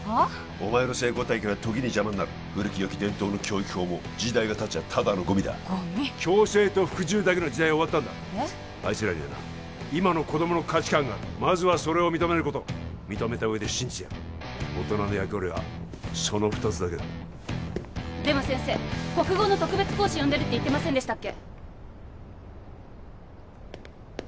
お前の成功体験は時に邪魔になる古きよき伝統の教育法も時代がたちゃただのゴミだゴミ強制と服従だけの時代は終わったあいつらにはな今の子供の価値観があるまずはそれを認めること認めた上で信じてやる大人の役割はその２つだけだでも先生国語の特別講師呼んでるって言ってませんでしたっけ？